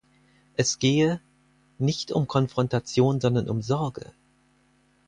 Es gehe „nicht um Konfrontation sondern um Sorge“.